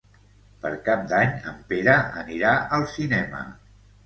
Per Cap d'Any en Pere anirà al cinema.